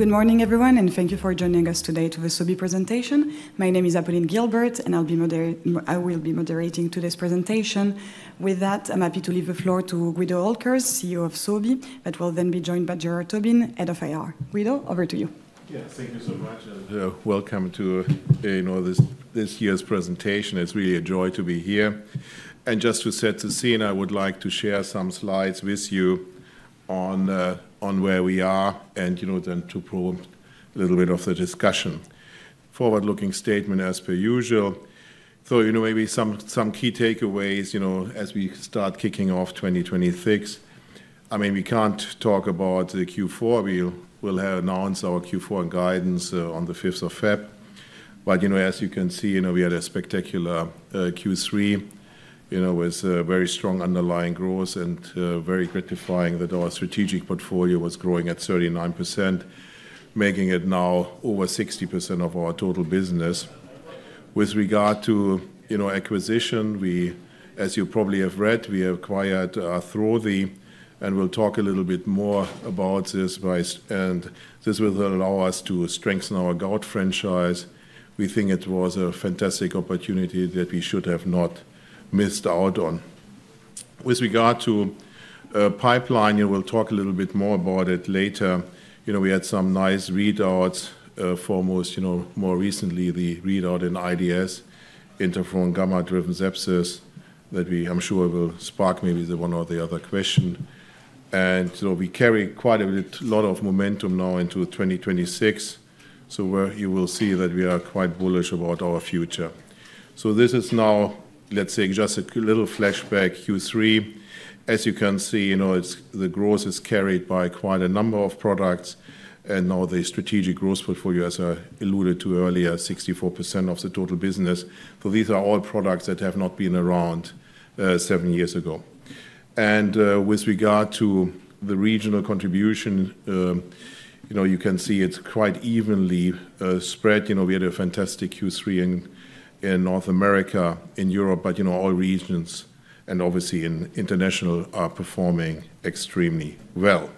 Good morning, everyone, and thank you for joining us today to the Sobi presentation. My name is Apolline Gilbert, and I will be moderating today's presentation. With that, I'm happy to leave the floor to Guido Oelkers, CEO of Sobi, that will then be joined by Gerard Tobin, Head of IR. Guido, over to you. Yes, thank you so much, and welcome to this year's presentation. It's really a joy to be here. And just to set the scene, I would like to share some slides with you on where we are, and you know then to promote a little bit of the discussion. Forward-looking statement, as per usual. So you know maybe some key takeaways you know as we start kicking off 2026. I mean, we can't talk about the Q4. We'll announce our Q4 guidance on the 5th of February. But you know as you can see, you know we had a spectacular Q3 you know with very strong underlying growth and very gratifying that our strategic portfolio was growing at 39%, making it now over 60% of our total business. With regard to acquisition, as you probably have read, we acquired Arthrosi, and we'll talk a little bit more about this. And this will allow us to strengthen our gout franchise. We think it was a fantastic opportunity that we should have not missed out on. With regard to pipeline, we'll talk a little bit more about it later. We had some nice readouts for most more recently, the readout in IDS, interferon gamma-driven sepsis, that I'm sure will spark maybe the one or the other question. And so we carry quite a lot of momentum now into 2026. So you will see that we are quite bullish about our future. So this is now, let's say, just a little flashback Q3. As you can see, the growth is carried by quite a number of products. And now the strategic growth portfolio, as I alluded to earlier, 64% of the total business. So these are all products that have not been around seven years ago. With regard to the regional contribution, you can see it's quite evenly spread. We had a fantastic Q3 in North America, in Europe, but all regions, and obviously in international, are performing extremely well.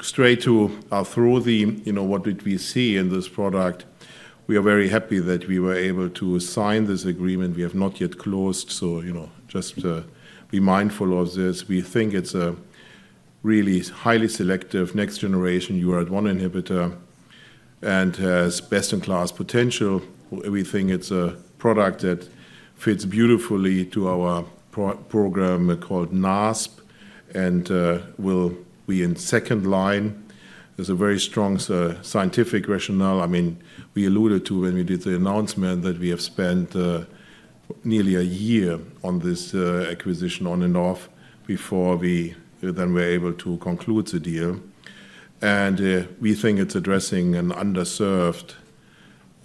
Straight to Arthrosi, what did we see in this product? We are very happy that we were able to sign this agreement. We have not yet closed. Just be mindful of this. We think it's a really highly selective next-generation URAT1 inhibitor and has best-in-class potential. We think it's a product that fits beautifully to our program called NASP and will be in second line. There's a very strong scientific rationale. I mean, we alluded to when we did the announcement that we have spent nearly a year on this acquisition on and off before we then were able to conclude the deal. And we think it's addressing an underserved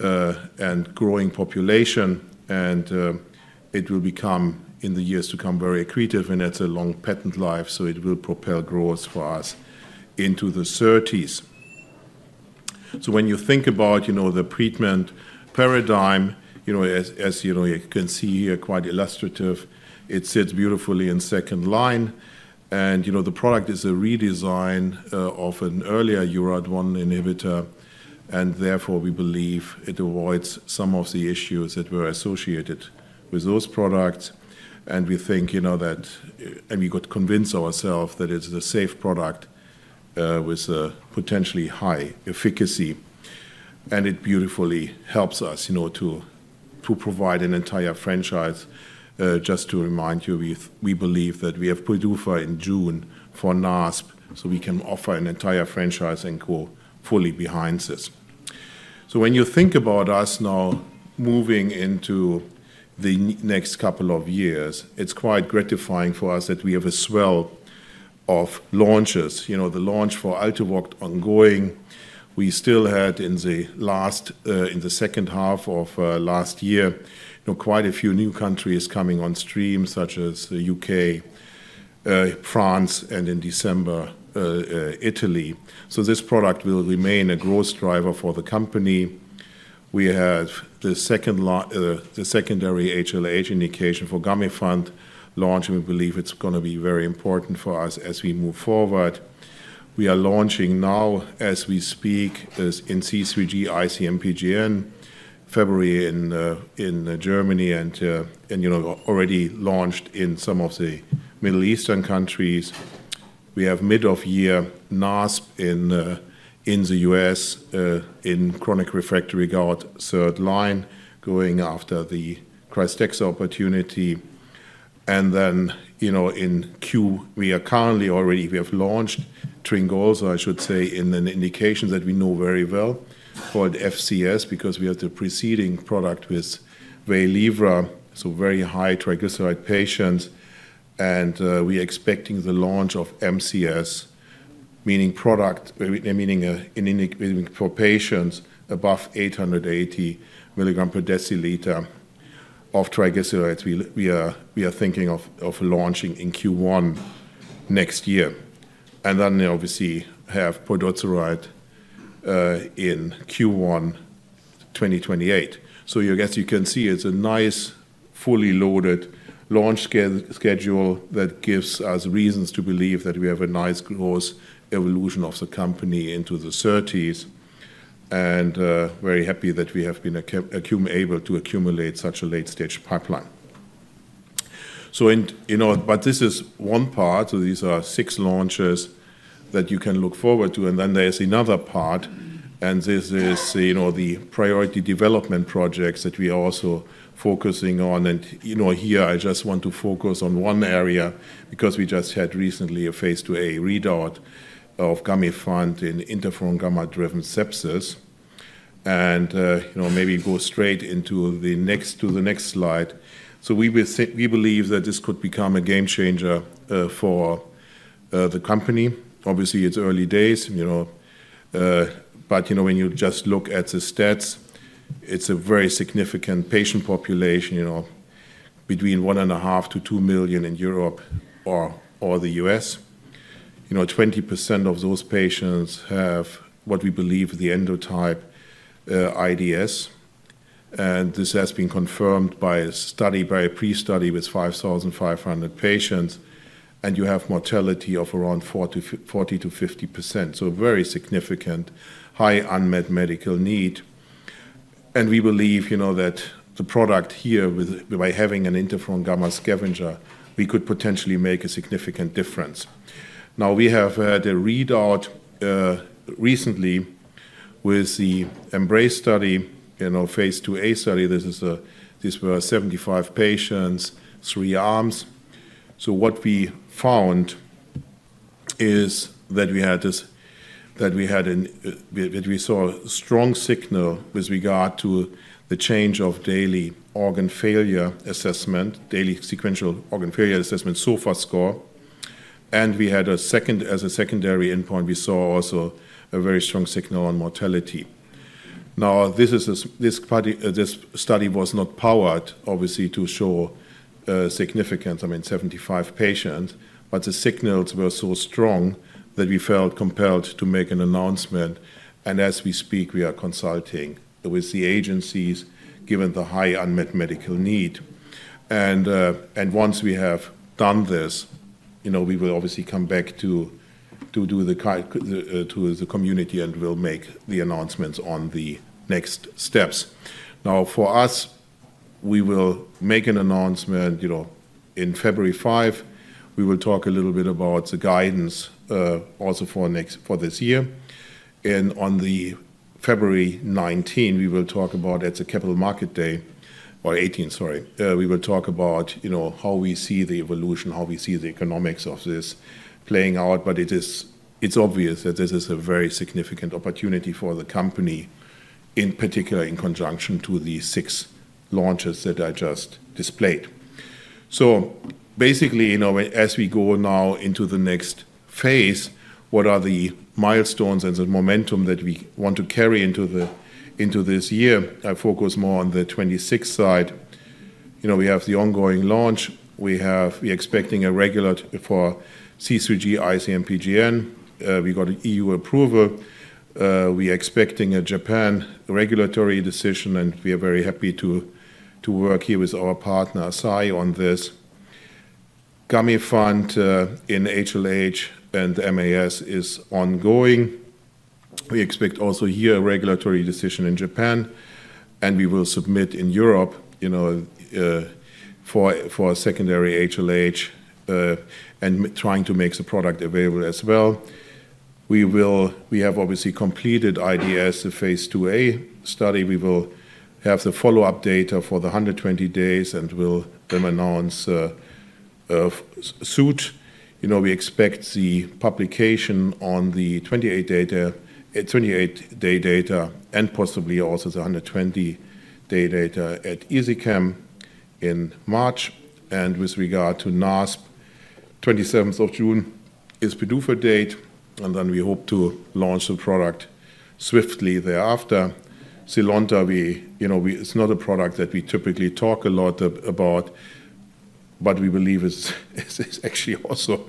and growing population. And it will become, in the years to come, very accretive. And it's a long patent life. So it will propel growth for us into the 2030s. So when you think about the treatment paradigm, as you can see here, quite illustrative, it sits beautifully in second line. And the product is a redesign of an earlier URAT1 inhibitor. And therefore, we believe it avoids some of the issues that were associated with those products. And we think that we could convince ourselves that it's a safe product with potentially high efficacy. And it beautifully helps us to provide an entire franchise. Just to remind you, we believe that we have PDUFA in June for NASP so we can offer an entire franchise and go fully behind this. So when you think about us now moving into the next couple of years, it's quite gratifying for us that we have a swell of launches. The launch for Altuviiio ongoing. We still had in the second half of last year quite a few new countries coming on stream, such as the U.K., France, and in December, Italy. So this product will remain a growth driver for the company. We have the secondary HLH indication for Gamifant launch. We believe it's going to be very important for us as we move forward. We are launching now, as we speak, in C3G/IC-MPGN, February in Germany, and already launched in some of the Middle Eastern countries. We have mid-of-year NASP in the U..S in chronic refractory gout, third line, going after the Krystexxa opportunity. And then in Q3, we have already launched Tryngolza, so I should say, in an indication that we know very well called FCS, because we have the preceding product with Waylivra, so very high triglyceride patients. And we are expecting the launch of MCS, meaning a product for patients above 880 mg /dL of triglycerides. We are thinking of launching in Q1 next year. And then obviously have pozdeutinurad in Q1 2028. So I guess you can see it's a nice, fully loaded launch schedule that gives us reasons to believe that we have a nice growth evolution of the company into the 2030s. And very happy that we have been able to accumulate such a late-stage pipeline. But this is one part. So these are six launches that you can look forward to. And then there is another part. This is the priority development projects that we are also focusing on. Here, I just want to focus on one area, because we just had recently a phase II-A readout of Gamifant in interferon gamma-driven sepsis. Maybe go straight into the next slide. We believe that this could become a game changer for the company. Obviously, it's early days. When you just look at the stats, it's a very significant patient population, between 1.5 million-2 million in Europe or the US. 20% of those patients have what we believe the endotype IDS. This has been confirmed by a study, by a pre-study with 5,500 patients. You have mortality of around 40%-50%. Very significant, high unmet medical need. We believe that the product here, by having an interferon gamma scavenger, we could potentially make a significant difference. Now, we have had a readout recently with the EMBRACE study, phase II-A study. This were 75 patients, three arms. What we found is that we saw a strong signal with regard to the change of daily organ failure assessment, daily sequential organ failure assessment, SOFA score. We had a secondary endpoint. We saw also a very strong signal on mortality. Now, this study was not powered, obviously, to show significance, I mean, 75 patients. But the signals were so strong that we felt compelled to make an announcement. As we speak, we are consulting with the agencies, given the high unmet medical need. And once we have done this, we will obviously come back to the community and will make the announcements on the next steps. Now, for us, we will make an announcement in February 5. We will talk a little bit about the guidance also for this year. And on February 19, we will talk about, at the Capital Markets Day, or February 18, sorry, we will talk about how we see the evolution, how we see the economics of this playing out. But it's obvious that this is a very significant opportunity for the company, in particular in conjunction to the six launches that I just displayed. So basically, as we go now into the next phase, what are the milestones and the momentum that we want to carry into this year? I focus more on the 2026 side. We have the ongoing launch. We are expecting a regulatory for C3G/IC-MPGN. We got an EU approval. We are expecting a Japan regulatory decision. And we are very happy to work here with our partner, Asahi, on this. Gamifant in HLH and MAS is ongoing. We expect also here a regulatory decision in Japan. And we will submit in Europe for a secondary HLH, and trying to make the product available as well. We have obviously completed IDS, the phase II-A study. We will have the follow-up data for the 120 days and will then announce soon. We expect the publication on the 28-day data and possibly also the 120-day data at ISICEM in March. And with regard to NASP, 27th of June is PDUFA date. And then we hope to launch the product swiftly thereafter. Zynlonta, it's not a product that we typically talk a lot about, but we believe it's actually also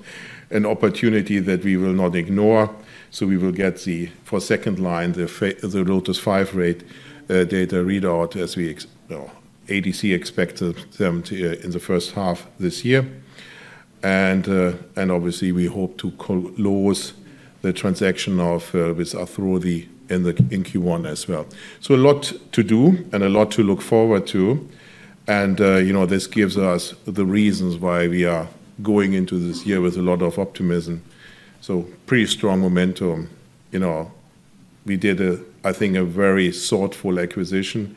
an opportunity that we will not ignore. So we will get the second line, the LOTIS-5 trial data readout as ADC expects them in the first half this year. And obviously, we hope to close the transaction with Arthrosi in Q1 as well. So a lot to do and a lot to look forward to. And this gives us the reasons why we are going into this year with a lot of optimism. So pretty strong momentum. We did, I think, a very thoughtful acquisition.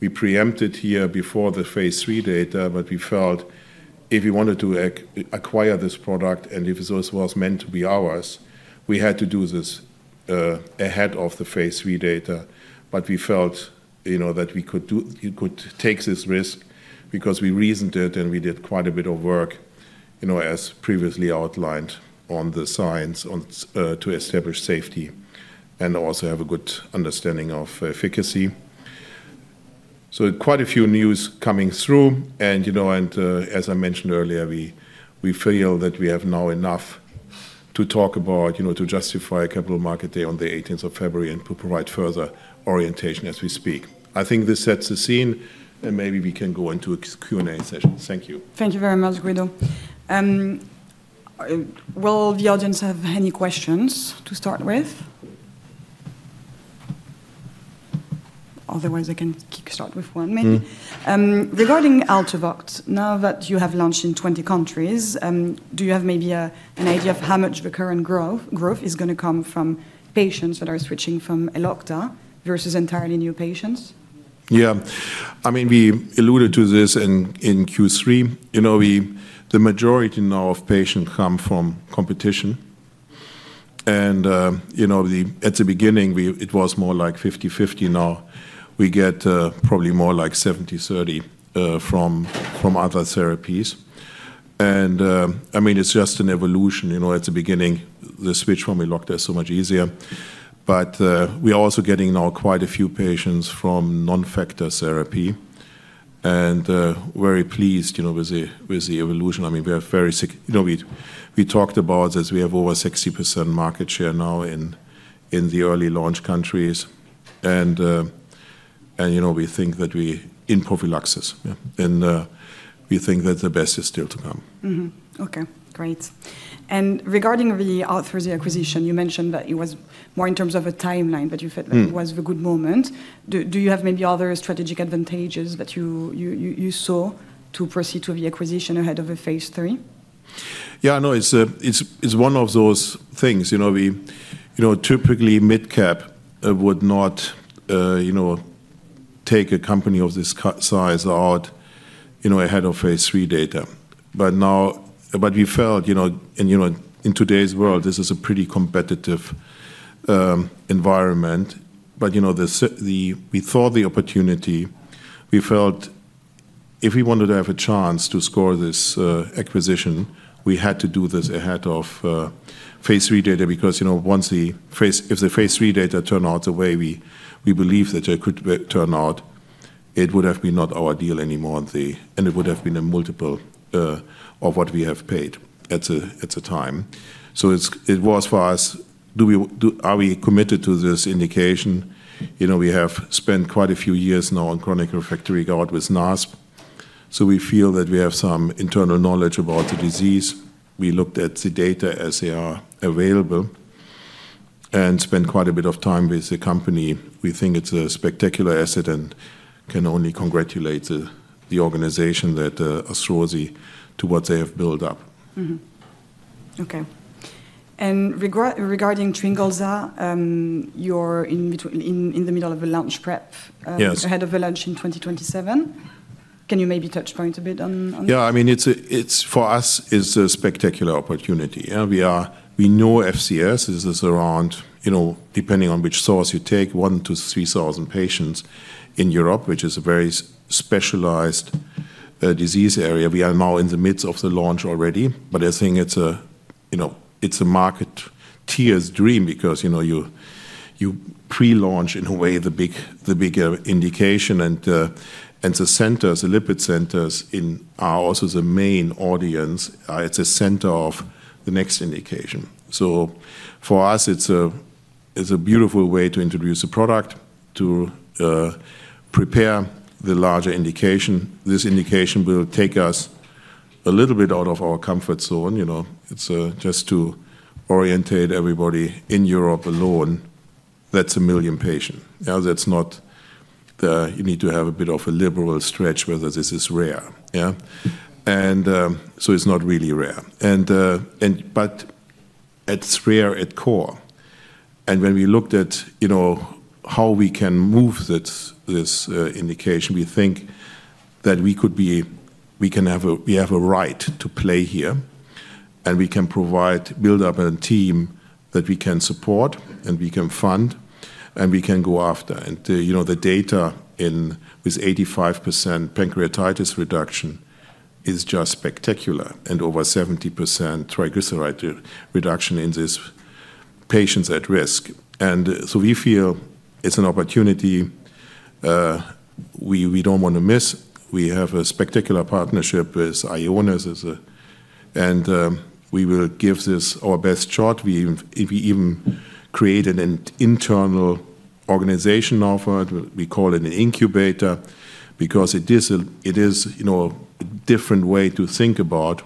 We preempted here before the phase III data. But we felt if we wanted to acquire this product and if this was meant to be ours, we had to do this ahead of the phase III data. But we felt that we could take this risk because we reasoned it and we did quite a bit of work, as previously outlined on the science, to establish safety and also have a good understanding of efficacy. So, quite a few news coming through. And as I mentioned earlier, we feel that we have now enough to talk about to justify a Capital Markets Day on the 18th of February and to provide further orientation as we speak. I think this sets the scene. And maybe we can go into a Q&A session. Thank you. Thank you very much, Guido. Will the audience have any questions to start with? Otherwise, I can kickstart with one, maybe. Regarding Altuviiio, now that you have launched in 20 countries, do you have maybe an idea of how much the current growth is going to come from patients that are switching from Elocta versus entirely new patients? Yeah. I mean, we alluded to this in Q3. The majority now of patients come from competition. And at the beginning, it was more like 50/50. Now we get probably more like 70/30 from other therapies. And I mean, it's just an evolution. At the beginning, the switch from Elocta is so much easier. But we are also getting now quite a few patients from non-factor therapy. And very pleased with the evolution. I mean, we are very we talked about this. We have over 60% market share now in the early launch countries. And we think that we in prophylaxis. And we think that the best is still to come. Okay. Great. Regarding the Arthrosi acquisition, you mentioned that it was more in terms of a timeline, but you felt that it was a good moment. Do you have maybe other strategic advantages that you saw to proceed to the acquisition ahead of the phase III? Yeah. No, it's one of those things. Typically, mid-cap would not take a company of this size out ahead of phase III data. But we felt, in today's world, this is a pretty competitive environment. But we saw the opportunity. We felt if we wanted to have a chance to score this acquisition, we had to do this ahead of phase III data. Because if the phase III data turned out the way we believe that it could turn out, it would have been not our deal anymore. And it would have been a multiple of what we have paid at the time. So, it was for us: are we committed to this indication? We have spent quite a few years now on chronic refractory gout with NASP. So we feel that we have some internal knowledge about the disease. We looked at the data as they are available and spent quite a bit of time with the company. We think it's a spectacular asset and can only congratulate the organization that is thrilled to what they have built up. Okay. And regarding Tryngolza, you're in the middle of a launch prep ahead of the launch in 2027. Can you maybe touch on a bit on that? Yeah. I mean, for us, it's a spectacular opportunity. We know FCS. This is around, depending on which source you take, 1,000-3,000 patients in Europe, which is a very specialized disease area. We are now in the midst of the launch already. But I think it's a marketer's dream because you pre-launch in a way the bigger indication. And the centers, the lipid centers, are also the main audience. It's a center of the next indication. So for us, it's a beautiful way to introduce the product, to prepare the larger indication. This indication will take us a little bit out of our comfort zone. It's just to orientate everybody in Europe alone, that's a million patients. You need to have a bit of a liberal stretch whether this is rare. And so it's not really rare. But it's rare at core. And when we looked at how we can move this indication, we think that we can have a right to play here. And we can build up a team that we can support and we can fund. And we can go after. And the data with 85% pancreatitis reduction is just spectacular. And over 70% triglyceride reduction in these patients at risk. And so we feel it's an opportunity we don't want to miss. We have a spectacular partnership with Ionis. And we will give this our best shot. We even create an internal organization for it. We call it an incubator because it is a different way to think about.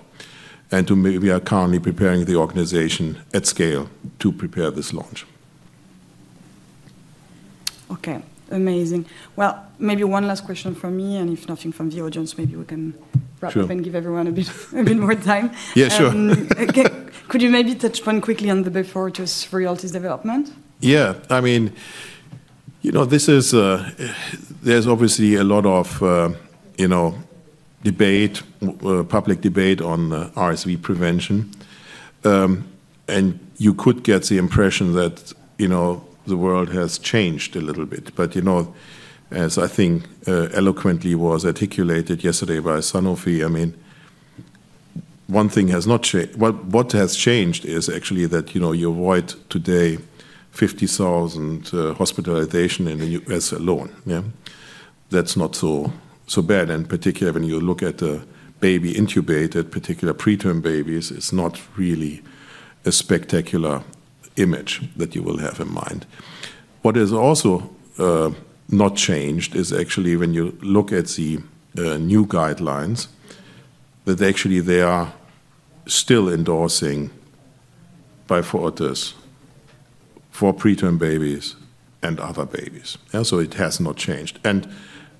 And we are currently preparing the organization at scale to prepare this launch. Okay. Amazing. Well, maybe one last question from me. And if nothing from the audience, maybe we can wrap up and give everyone a bit more time. Yeah. Sure. Could you maybe touch on quickly the Beyfortus development? Yeah. I mean, there's obviously a lot of debate, public debate on RSV prevention. And you could get the impression that the world has changed a little bit. But as I think eloquently was articulated yesterday by Sanofi, I mean, one thing has not changed. What has changed is actually that you avoid today 50,000 hospitalizations in the U.S. alone. That's not so bad. And particularly when you look at the baby intubated, particularly preterm babies, it's not really a spectacular image that you will have in mind. What has also not changed is actually when you look at the new guidelines, that actually they are still endorsing Beyfortus for preterm babies and other babies. So it has not changed. And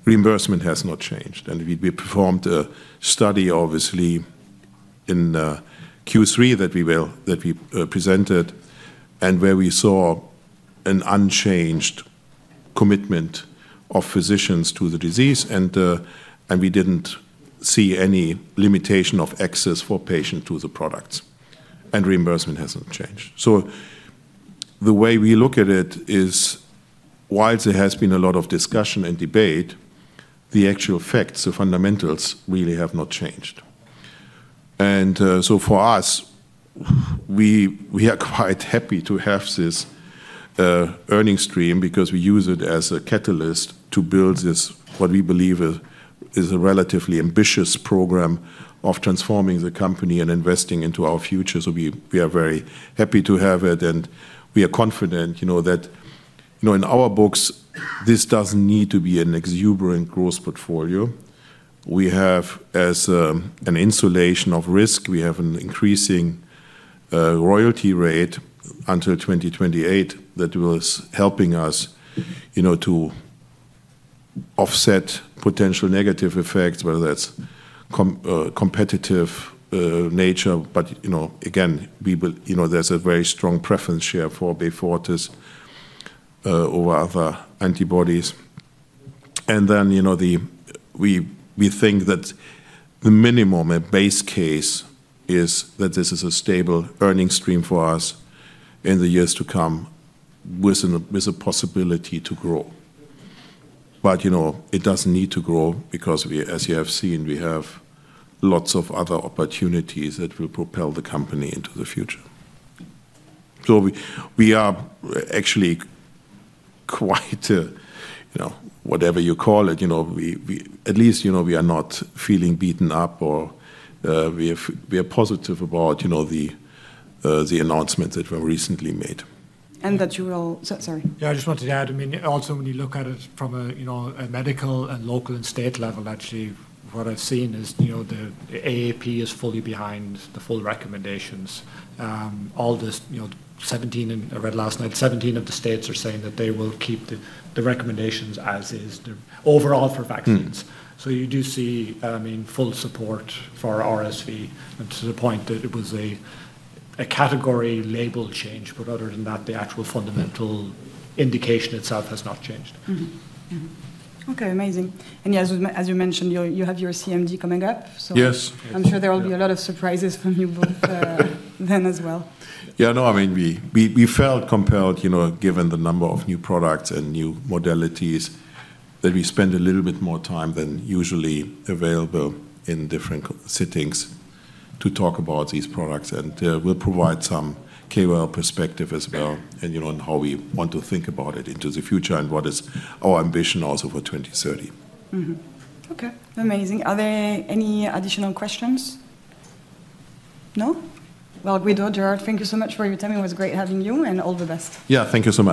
reimbursement has not changed. And we performed a study, obviously, in Q3 that we presented and where we saw an unchanged commitment of physicians to the disease. And we didn't see any limitation of access for patients to the products. And reimbursement hasn't changed. So the way we look at it is, while there has been a lot of discussion and debate, the actual facts, the fundamentals really have not changed. And so for us, we are quite happy to have this earning stream because we use it as a catalyst to build this, what we believe is a relatively ambitious program of transforming the company and investing into our future. So we are very happy to have it. And we are confident that in our books, this doesn't need to be an exuberant growth portfolio. We have as an insulation of risk, we have an increasing royalty rate until 2028 that was helping us to offset potential negative effects, whether that's competitive nature. But again, there's a very strong preference share for Beyfortus over other antibodies. And then we think that the minimum, a base case, is that this is a stable earning stream for us in the years to come with a possibility to grow. But it doesn't need to grow because, as you have seen, we have lots of other opportunities that will propel the company into the future. So we are actually quite, whatever you call it, at least we are not feeling beaten up. Or we are positive about the announcements that were recently made. Yeah. I just wanted to add, I mean, also when you look at it from a medical and local and state level, actually, what I've seen is the AAP is fully behind the full recommendations. All this, I read last night, 17 of the states are saying that they will keep the recommendations as is overall for vaccines. So you do see, I mean, full support for RSV to the point that it was a category label change. But other than that, the actual fundamental indication itself has not changed. Okay. Amazing. And yeah, as you mentioned, you have your CMD coming up. So I'm sure there will be a lot of surprises from you both then as well. Yeah. No, I mean, we felt compelled, given the number of new products and new modalities, that we spend a little bit more time than usually available in different settings to talk about these products. And we'll provide some KOL perspective as well and how we want to think about it into the future and what is our ambition also for 2030. Okay. Amazing. Are there any additional questions? No? Well, Guido, Gerard, thank you so much for your time. It was great having you. And all the best. Yeah. Thank you so much.